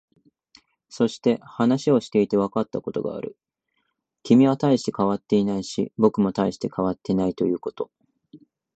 そして、話をしていてわかったことがある。君は大して変わっていないし、僕も大して変わっていないということ。